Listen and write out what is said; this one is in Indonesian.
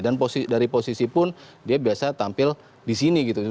dan dari posisi pun dia biasa tampil di sini gitu